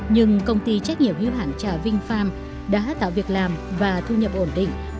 nhưng công ty trách nhiệm hưu hãng trà vinh farm đã tạo việc làm và thu nhập ổn định cho gần hai mươi lao động của địa phương